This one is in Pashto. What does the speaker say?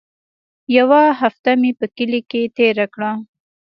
يوه هفته مې په کلي کښې تېره کړه.